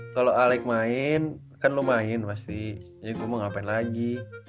kalau alex main kan lu main pasti jadi gue mau ngapain lagi